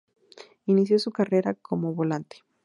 Inició su carrera como volante.